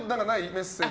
メッセージ。